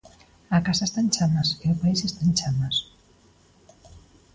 A casa está en chamas e o país está en chamas.